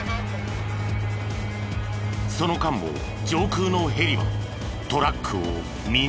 その間も上空のヘリはトラックを見逃さない。